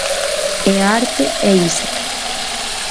E a arte é iso.